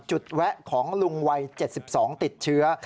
แวะของลุงวัย๗๒ติดเชื้อ